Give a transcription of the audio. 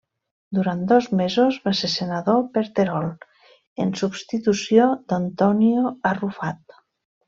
Durant dos mesos va ser senador per Terol en substitució d'Antonio Arrufat.